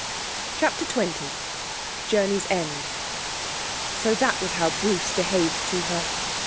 CHAPTER XX Journeys End So that was how Bruce behaved to her!